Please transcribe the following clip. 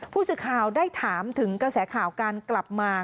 ผู้สื่อข่าวได้ถามถึงกระแสข่าวการกลับมา